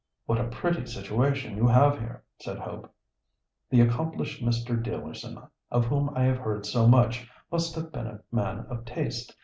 "What a pretty situation you have here!" said Hope. "The accomplished Mr. Dealerson, of whom I have heard so much, must have been a man of taste.